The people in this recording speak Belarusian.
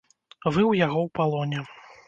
Вы ў яго ў палоне.